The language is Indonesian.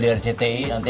kayer kamu sudah teh